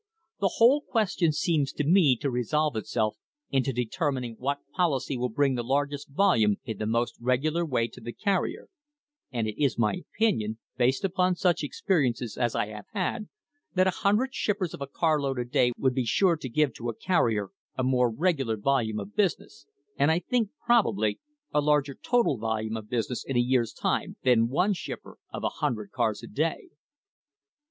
... The whole question seems to me to resolve itself into determining what policy will bring the largest volume in the most regular way to the carrier; and it is my opinion, based upon such experi ence as I have had, that a hundred shippers of a carload a day would be sure to give to a carrier a more regular volume of business, and I think, probably, a larger total volume of busi ness in a year's time than one shipper of a hundred cars a day."